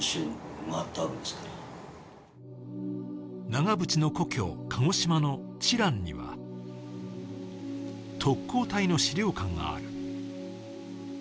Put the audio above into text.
長渕の故郷・鹿児島の知覧には特攻隊の資料館がある。